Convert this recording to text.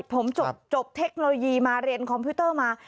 ผมจบเทคโนโลยีมาเรียนคอมพิวเตอร์มา